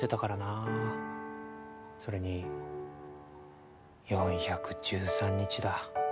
それに４１３日だ